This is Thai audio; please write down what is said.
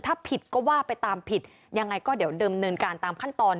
ถ้าผิดก็ว่าไปตามผิดยังไงก็เดี๋ยวเดิมเนินการตามขั้นตอน